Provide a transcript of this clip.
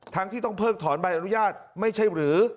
ที่ต้องเพิกถอนใบอนุญาตไม่ใช่หรือ